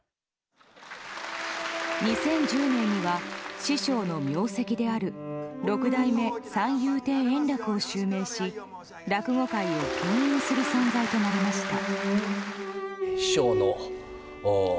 ２０１０年には師匠の名跡である六代目三遊亭円楽を襲名し落語界を牽引する存在となりました。